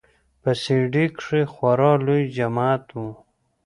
په سي ډي کښې خورا لوى جماعت و.